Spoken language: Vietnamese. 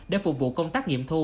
để phục vụ công tác nghiệm thu